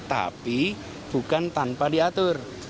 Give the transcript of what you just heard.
tapi bukan tanpa diatur